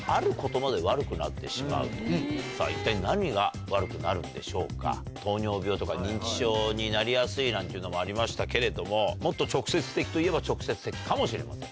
さぁ一体何が悪くなるんでしょうか？になりやすいなんていうのもありましたけれどももっと直接的といえば直接的かもしれません。